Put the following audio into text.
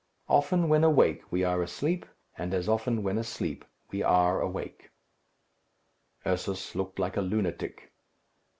Often when awake we are asleep, and as often when asleep we are awake. Ursus looked like a lunatic.